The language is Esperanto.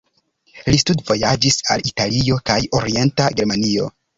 Li studvojaĝis al Italio kaj Orienta Germanio.